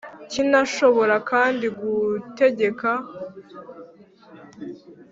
kinashobora kandi gutegeka